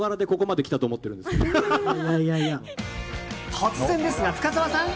突然ですが、深澤さん！